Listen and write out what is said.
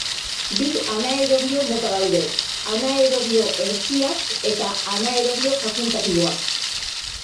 Bi anaerobio mota daude: anaerobio hertsiak eta anaerobio fakultatiboak.